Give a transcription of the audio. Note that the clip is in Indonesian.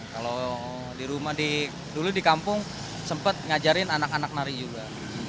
kalau di rumah dulu di kampung sempet ngajarin anak anak nari juga